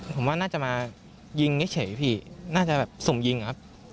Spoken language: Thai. ผมว่าน่าจะมายิงเฉยพี่น่าจะแบบสุ่มยิงอะครับ